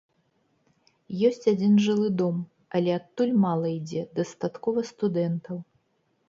Ёсць адзін жылы дом, але адтуль мала ідзе, дастаткова студэнтаў.